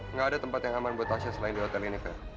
nggak ada tempat yang aman buat pasien selain di hotel ini kak